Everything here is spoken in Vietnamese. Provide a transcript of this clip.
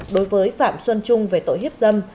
đối với phạm xuân trung về tội hiếp dâm